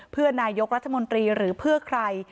เพื่อนายกรัฐมนตรีหรือเพื่อใคร